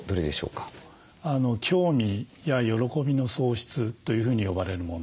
興味や喜びの喪失というふうに呼ばれるもの。